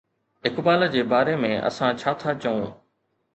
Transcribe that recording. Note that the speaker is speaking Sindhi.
اقبال جي باري ۾ اسان ڇا ٿا چئون؟